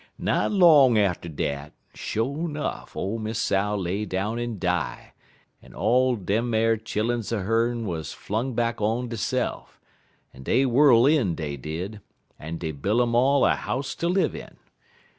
"Not long atter dat, sho' 'nuff ole Miss Sow lay down en die, en all dem ar chilluns er hern wuz flung back on deyse'f, en dey whirl in, dey did, en dey buil' um all a house ter live in.